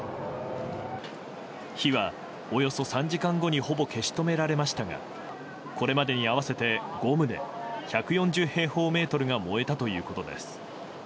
火はおよそ３時間後にほぼ消し止められましたがこれまでに合わせて５棟１４０平方メートルが燃えたということです。